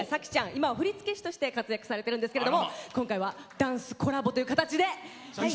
今は振付師として活躍されてるんですけども今回はダンスコラボという形で。